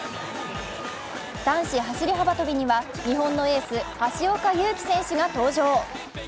男子走り幅跳びには日本のエース橋岡優輝選手が登場。